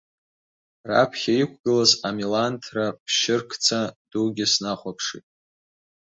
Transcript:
Раԥхьа иқәгылаз амиланҭра ԥшьыркца дугьы снахәаԥшит.